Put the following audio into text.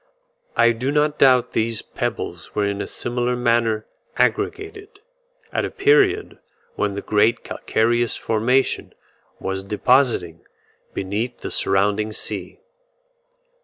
I do not doubt these pebbles were in a similar manner aggregated, at a period when the great calcareous formation was depositing beneath the surrounding sea.